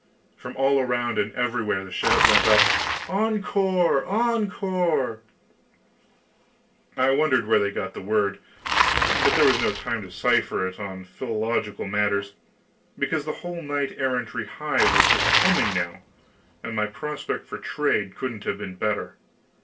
From all around and everywhere, the shout went up: "Encore! encore!" I wondered where they got the word, but there was no time to cipher on philological matters, because the whole knight errantry hive was just humming now, and my prospect for trade couldn't have been better.